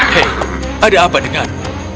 hei ada apa denganmu